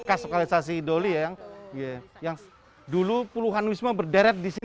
kekerasan lahir sama batin